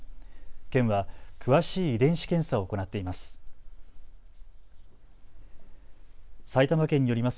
県は詳しい遺伝子検査を行っています。